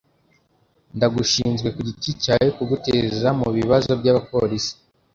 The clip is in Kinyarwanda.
Ndagushinzwe kugiti cyawe kutugeza mubibazo byabapolisi.